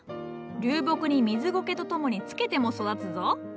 流木に水ゴケとともにつけても育つぞ。